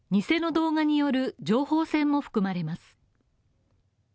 偽の動画による情報戦も含まれます。